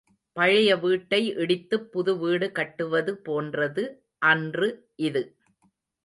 பழைய வீட்டை இடித்துப் புது வீடு கட்டுவது போன்றது அன்று இது.